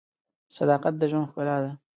صداقت د ژوند ښکلا ده.